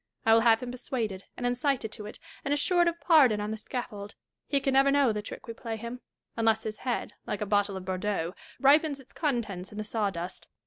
I will have him persuaded and incited to it, and assured of pardon on the scaffold. He can never know the trick we play him ; unless his head, like a bottle of Bordeaux, ripens its contents in the sawdust.